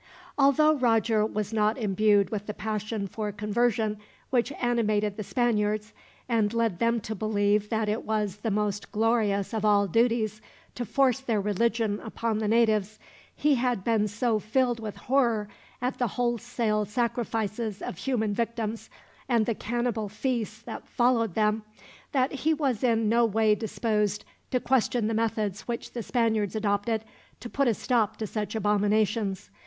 Although Roger was not imbued with the passion for conversion which animated the Spaniards, and led them to believe that it was the most glorious of all duties to force their religion upon the natives, he had been so filled with horror at the wholesale sacrifices of human victims, and the cannibal feasts that followed them, that he was in no way disposed to question the methods which the Spaniards adopted to put a stop to such abominations.